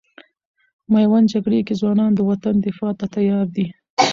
میوند جګړې کې ځوانان د وطن دفاع ته تیار دي.